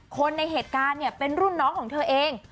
คนในเหตุการณ์เนี่ยเป็นรุ่นน้องของเธอเอง